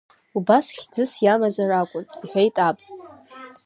Убас хьӡыс иамазар акәын, – иҳәеит аб.